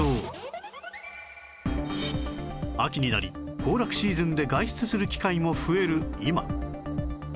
秋になり行楽シーズンで外出する機会も増える今